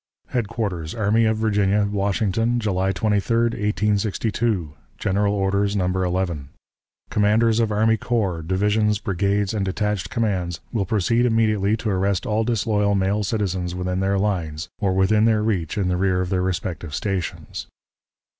_" "HEADQUARTERS ARMY OF VIRGINIA, WASHINGTON, July 23, 1862. "(GENERAL ORDERS, No. 11.) "Commanders of army corps, divisions, brigades, and detached commands will proceed immediately to arrest all disloyal male citizens within their lines, or within their reach in the rear of their respective stations.